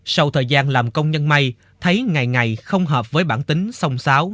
sau thời gian làm công nhân may thấy ngày ngày không hợp với bản tính song sáo